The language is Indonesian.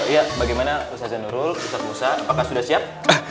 iya bagaimana ustadz janurul ustadz musa apakah sudah siap